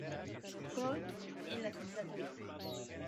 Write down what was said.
Croix en las Islas Vírgenes.